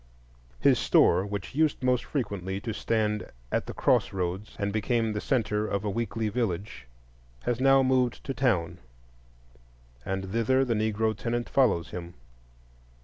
His store, which used most frequently to stand at the cross roads and become the centre of a weekly village, has now moved to town; and thither the Negro tenant follows him.